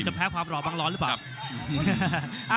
แพ้ความหล่อบังร้อนหรือเปล่า